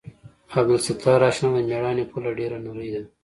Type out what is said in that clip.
عبدالستاره اشنا د مېړانې پوله ډېره نرۍ ده.